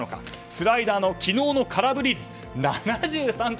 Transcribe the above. スライダーの昨日の空振り率は７３．３％。